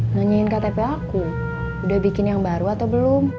nanyain ktp aku udah bikin yang baru atau belum